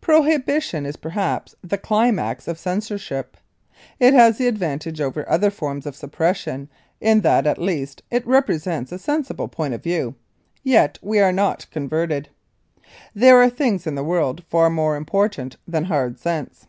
Prohibition is perhaps the climax of censorship. It has the advantage over other forms of suppression in that at least it represents a sensible point of view. Yet, we are not converted. There are things in the world far more important than hard sense.